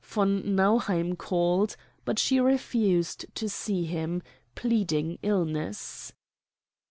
Von Nauheim called, but she refused to see him, pleading illness.